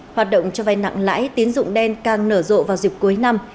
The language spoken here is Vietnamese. hoạt động cho vay nặng lãi tín dụng đen càng nở rộ vào dịp cuối năm